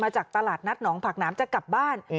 จากตลาดนัดหนองผักน้ำจะกลับบ้าน